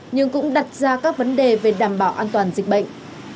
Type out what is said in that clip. nhưng cũng đặt ra các vấn đề về đảm bảo an toàn dịch bệnh